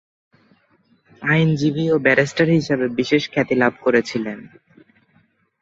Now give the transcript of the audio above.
আইনজীবী ও ব্যারিস্টার হিসেবে বিশেষ খ্যাতি লাভ করেছিলেন।